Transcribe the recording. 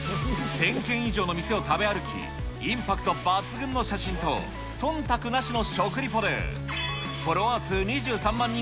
１０００軒以上の店を食べ歩き、インパクト抜群の写真と、そんたくなしの食リポで、フォロワー数２３万